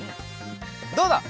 どうだ？